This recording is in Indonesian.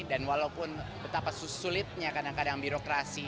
dan walaupun betapa susulitnya kadang kadang birokrasi